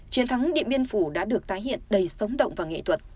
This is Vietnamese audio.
chiến thắng điện biên phủ đã được tái hiện đầy sống động và nghệ thuật